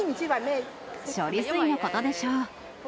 処理水のことでしょ。